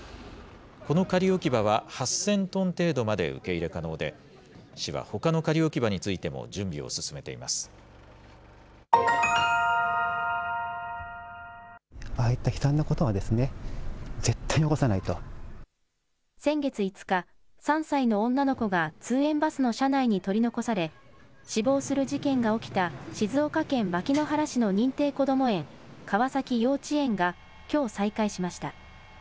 この仮置き場は８０００トン程度まで受け入れ可能で、市はほかの仮置き場についても準備を進めて先月５日、３歳の女の子が通園バスの車内に取り残され、死亡する事件が起きた静岡県牧之原市の認定こども園、川崎幼稚園が、きょう再開しました。